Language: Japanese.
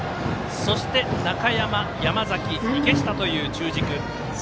そして中山、山崎、池下という中軸。